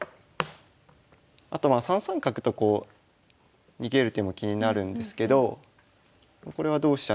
あとまあ３三角とこう逃げる手も気になるんですけどこれは同飛車